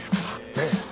ええ。